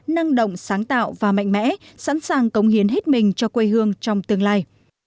năng động sáng tạo và mạnh mẽ sẵn sàng cống hiến hết mình cho quê hương trong tương lai